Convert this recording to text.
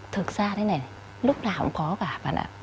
thực ra thế này lúc nào cũng khó cả bạn ạ